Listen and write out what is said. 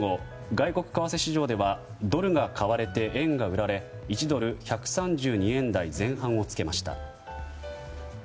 外国為替市場ではドルが買われて円が売られ１ドル＝１３２円台前半をつけました。